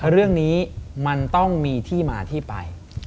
เรื่องนี้มันต้องมีที่มาที่ไป